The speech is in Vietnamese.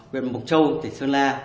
quyền mục châu tỉnh sơn la